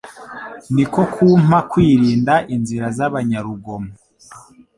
niko kumpa kwirinda inzira z’abanyarugomo.”